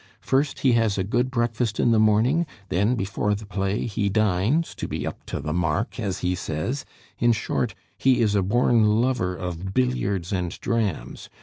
First, he has a good breakfast in the morning; then, before the play, he dines, to be 'up to the mark,' as he says; in short, he is a born lover of billiards and drams.